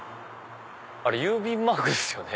あれ郵便マークですよね。